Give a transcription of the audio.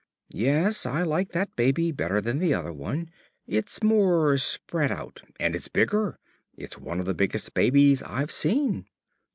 "Yes, I like that baby better than the other one. It's more spread out. And it's bigger it's one of the biggest babies I've seen."